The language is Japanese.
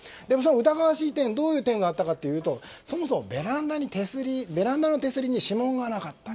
疑わしい点どういう点があったかというとそもそもベランダの手すりに指紋がなかった。